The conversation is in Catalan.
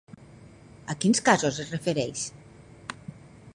A quins casos es refereix?